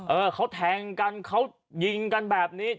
เออเขาแทงกันเขายิงกันแบบนี้